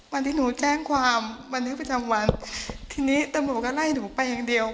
วันที่หนูแจ้งความบันทึกประจำวันทีนี้ตำรวจก็ไล่หนูไปอย่างเดียว